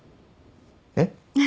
えっ？